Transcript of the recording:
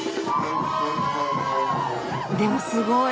でもすごい！